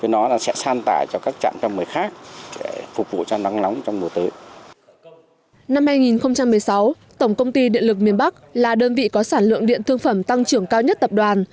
năm hai nghìn một mươi sáu tổng công ty điện lực miền bắc là đơn vị có sản lượng điện thương phẩm tăng trưởng cao nhất tập đoàn